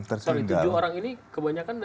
sorry tujuh orang ini kebanyakan